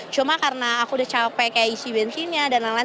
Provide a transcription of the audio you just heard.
cuma karena aku udah capek kayak isi bensinnya dan lain lain